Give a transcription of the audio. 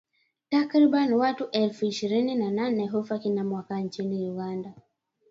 Takriban watu elfu ishirini na nane hufa kila mwaka nchini Uganda